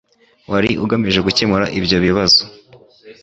wari ugamije gukemura ibyo bibazo.